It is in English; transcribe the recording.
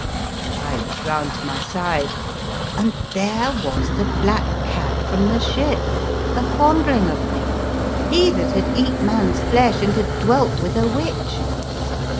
I looked round to my side and there was the black cat from the ship a fond ling of me, he that had eat man's flesh and had dwelt with a witch.